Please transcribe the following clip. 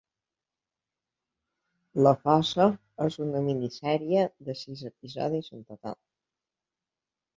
La fossa és una minisèrie de sis episodis en total.